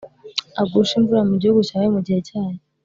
agushe imvura mu gihugu cyawe mu gihe cyayo,